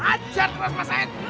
ajar terus masahid